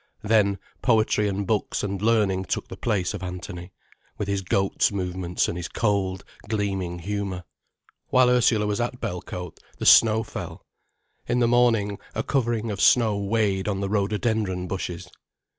Then poetry and books and learning took the place of Anthony, with his goats' movements and his cold, gleaming humour. While Ursula was at Belcote, the snow fell. In the morning, a covering of snow weighed on the rhododendron bushes.